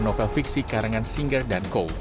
novel fiksi karangan singer dan co